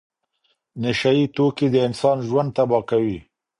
نشه یي توکي د انسان ژوند تباه کوي.